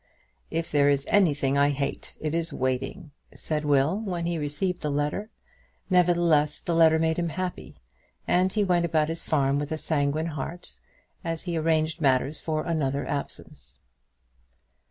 "If there is anything I hate, it is waiting," said Will, when he received the letter; nevertheless the letter made him happy, and he went about his farm with a sanguine heart, as he arranged matters for another absence.